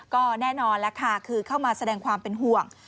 ก็แน่นอนคือเข้ามาแสดงความเป็นห่วง